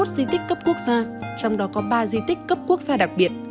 tám mươi một di tích cấp quốc gia trong đó có ba di tích cấp quốc gia đặc biệt